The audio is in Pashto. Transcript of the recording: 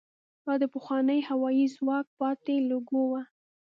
دا د پخواني هوايي ځواک پاتې لوګو وه.